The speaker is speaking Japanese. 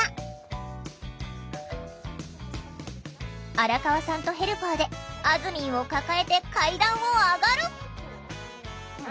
荒川さんとヘルパーであずみんを抱えて階段を上がる！